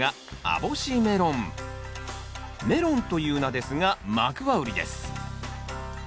メロンという名ですがマクワウリです。